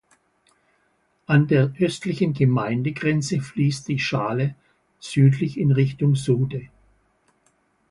An der östlichen Gemeindegrenze fließt die Schaale südlich in Richtung Sude.